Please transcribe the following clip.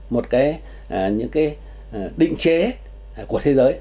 một cái những cái định chế của thế giới